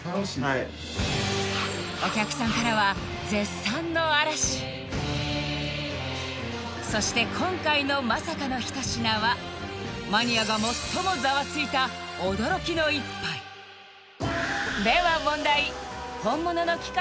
はいお客さんからは絶賛の嵐そして今回のマサかの一品はマニアが最もザワついた驚きの一杯では問題本物の期間